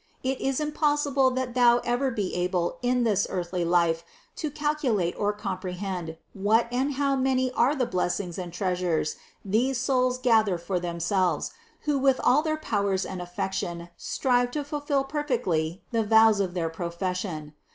It is impossible that thou ever be able in this earthly life to calculate or com prehend, what and how many are the blessings and treas ures those souls gather for themselves, who with all their powers and affection strive to fulfill perfectly the vows of their profession.